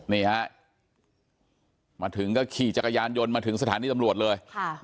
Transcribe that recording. นี่ฮะมาถึงก็ขี่จักรยานยนต์มาถึงสถานีตำรวจเลย